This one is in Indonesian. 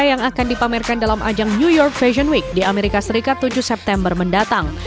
yang akan dipamerkan dalam ajang new york fashion week di amerika serikat tujuh september mendatang